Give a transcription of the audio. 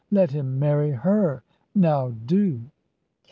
Let him marry her now do."